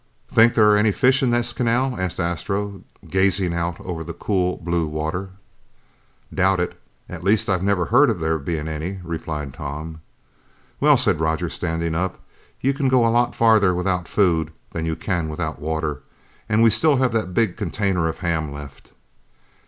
"Think there are any fish in this canal?" asked Astro, gazing out over the cool blue water. "Doubt it. At least I've never heard of there being any," replied Tom. "Well," said Roger, standing up, "you can go a lot farther without food than you can without water. And we still have that big container of ham left."